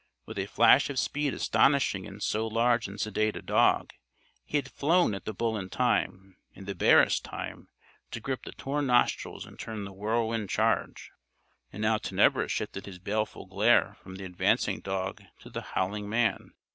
With a flash of speed astonishing in so large and sedate a dog, he had flown at the bull in time in the barest time to grip the torn nostrils and turn the whirlwind charge. And now Tenebris shifted his baleful glare from the advancing dog to the howling man.